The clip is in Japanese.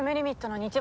日没。